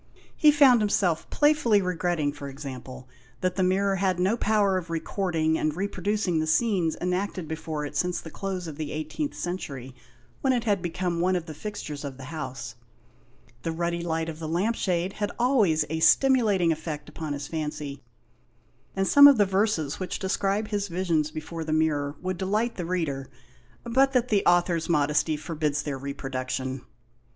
He found himself playfully re gretting, for example, that the mirror had no power of recording and reproducing the scenes enacted before it since the close of the 18th century, when it had become one of the fixtures of the house. The ruddy light of the lamp shade had always a stimulating effect upon his fancy, and some of the verses which describe his visions before the mirror would delight the reader, but that the author's modesty forbids their reproduction.